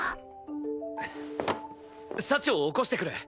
幸を起こしてくる！